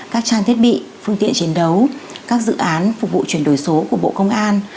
các trang thiết bị phương tiện chiến đấu các dự án phục vụ chuyển đổi số của bộ công an